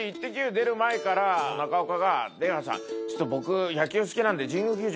出る前から中岡が「出川さんちょっと僕野球好きなんで」。